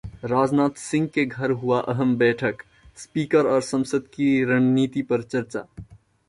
राजनाथ सिंह के घर हुई अहम बैठक, स्पीकर और संसद की रणनीति पर चर्चा